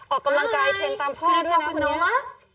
ออกกำลังกายเทรนตามพ่อด้วยนะ